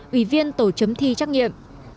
ủy viên tổ chấm thi trách nhiệm